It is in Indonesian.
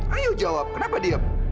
ayo jawab kenapa diam